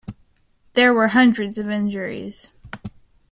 There were hundreds of injuries.